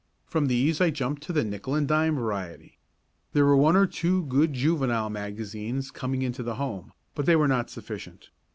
From these I jumped to the nickel and dime variety. There were one or two good juvenile magazines coming into the home, but they were not sufficient.